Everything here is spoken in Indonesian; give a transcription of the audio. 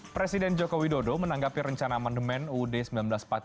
presiden joko widodo menanggapi rencana amandemen uud seribu sembilan ratus empat puluh lima